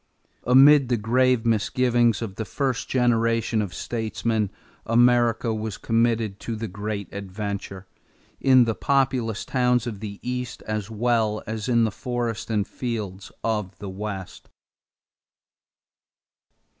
Amid the grave misgivings of the first generation of statesmen, America was committed to the great adventure, in the populous towns of the East as well as in the forests and fields of the West.